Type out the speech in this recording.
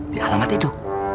di alamat itu